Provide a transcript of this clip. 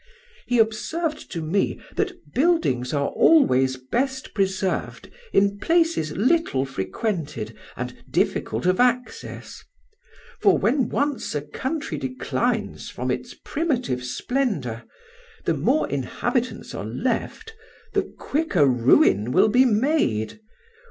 He observed to me that buildings are always best preserved in places little frequented and difficult of access; for when once a country declines from its primitive splendour, the more inhabitants are left, the quicker ruin will be made.